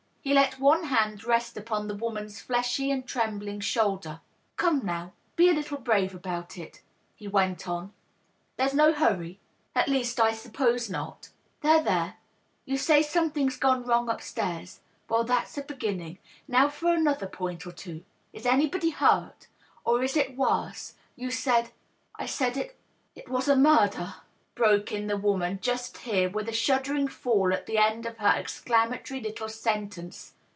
He let one hand rest upon the woman's fleshy and trembling shoulder. " Come, now ; be a little brave about it," he went on. " There's no hurry — at least, I suppose 534 DOUGLAS DUANE. not. There, there ; you say something's gone wrong np stairs. Well, that^s a b^inning. Now for another point or two. Is anybody hurt? Or is it worse? You said ^^" I said it — it was murder/' broke in the woman, just here, with a shuddering fall at the end of her exclamatory little sentence.